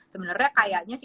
sebenernya kayaknya sih